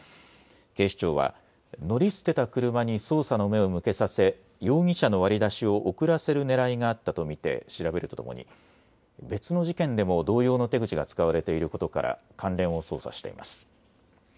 警視庁は乗り捨てた車に捜査の目を向けさせ容疑者の割り出しを遅らせるねらいがあったと見て調べるとともに別の事件でも同様の手口が使われていることから関連を捜査しています。